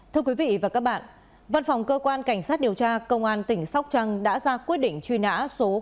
thưa quý vị và các bạn văn phòng cơ quan cảnh sát điều tra công an tỉnh sóc trăng đã ra quyết định truy nã số ba